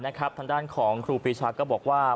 ทางด้านของครูปีชาก็บอกว่า